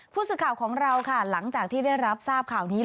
ผู้สื่อข่าวของเราค่ะหลังจากที่ได้รับทราบข่าวนี้